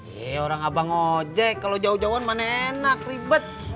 yeay orang abang ojek kalau jauh jauhan mana enak ribet